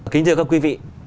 kính chào các quý vị